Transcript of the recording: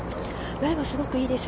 ライは、すごくいいです。